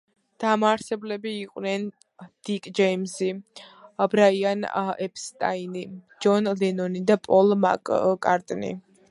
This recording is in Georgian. დამაარსებლები იყვნენ დიკ ჯეიმზი, ბრაიან ეპსტაინი, ჯონ ლენონი და პოლ მაკ-კარტნი.